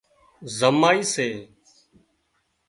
زمائي سي